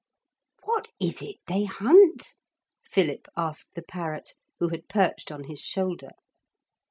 'What is it they hunt?' Philip asked the parrot, who had perched on his shoulder.